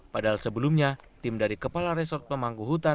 padahal sebelumnya tim dari kepala resort pemangku hutan